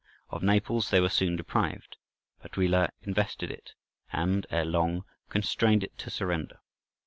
Of Naples they were soon deprived. [B.C. 543.] Baduila invested it, and ere long constrained it to surrender.